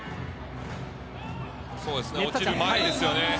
落ちる前ですよね。